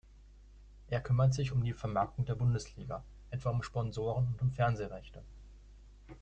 Er kümmert sich um die Vermarktung der Bundesliga, etwa um Sponsoren und um Fernsehrechte.